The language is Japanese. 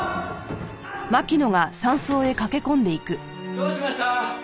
どうしました？